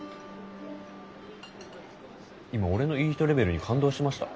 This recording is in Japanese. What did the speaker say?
今俺のいい人レベルに感動しました？